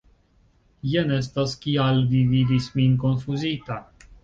Jen estas kial vi vidis min konfuzita.